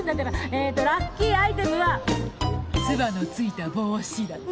えーっとラッキーアイテムは「つばの付いた帽子」だって。